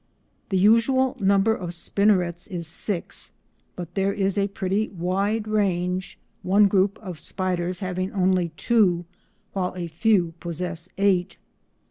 The usual number of spinnerets is six, but there is a pretty wide range, one group of spiders having only two, while a few possess eight.